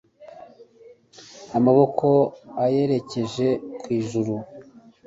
amaboko ayerekeje ku ijuru